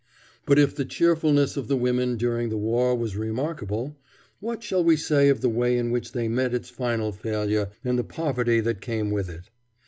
But if the cheerfulness of the women during the war was remarkable, what shall we say of the way in which they met its final failure and the poverty that came with it?